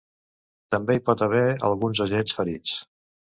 També hi pot haver alguns agents ferits.